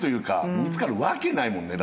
見つかるわけないもんね。